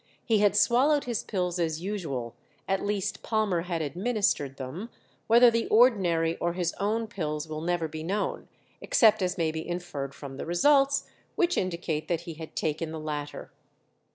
He had swallowed his pills as usual, at least Palmer had administered them whether the ordinary or his own pills will never be known, except as may be inferred from the results, which indicate that he had taken the latter.